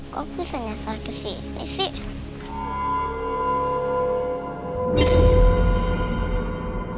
kok bisa nyasar ke sini sih